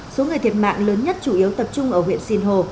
số người thiệt mạng lớn nhất chủ yếu tập trung ở huyện sinh hồ